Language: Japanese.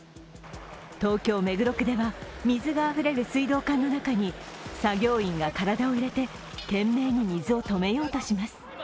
東京・目黒区では水があふれる水道管の中に作業員が体を入れて懸命に水を止めようとします。